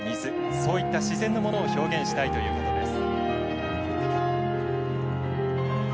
そういった自然のものを表現したいということです。